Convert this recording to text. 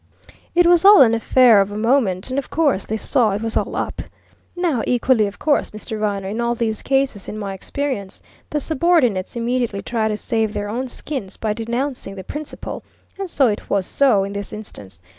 It was all an affair of a moment and of course, they saw it was all up. Now, equally of course, Mr. Viner, in all these cases, in my experience, the subordinates immediately try to save their own skins by denouncing the principal, and it was so in this instance.